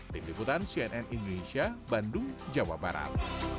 tim liputan cnn indonesia bandung jawa barat